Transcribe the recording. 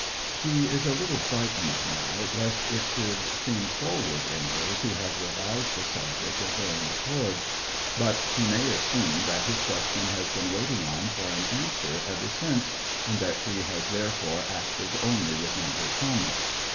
She is a little frightened now, lest it should seem forward in her to have revived the subject of her own accord; but she may assume that his question has been waiting on for an answer ever since, and that she has, therefore, acted only within her promise.